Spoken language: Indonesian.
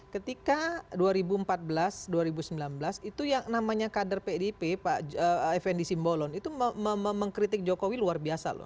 ketika dua ribu empat belas dua ribu sembilan belas itu yang namanya kader pdip pak effendi simbolon itu mengkritik jokowi luar biasa loh